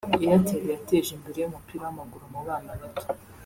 Airtel yateje imbere umupira w’amaguru mu bana bato